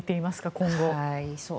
今後。